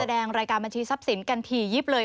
แสดงรายการบัญชีทรัพย์สินกันถี่ยิบเลย